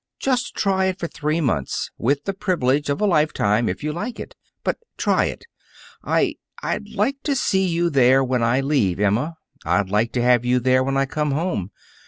"Just try it for three months, with the privilege of a lifetime, if you like it. But try it. I I'd like to see you there when I leave, Emma. I'd like to have you there when I come home.